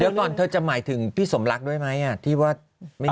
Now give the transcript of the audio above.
เดี๋ยวก่อนเธอจะหมายถึงพี่สมรักด้วยไหมที่ว่า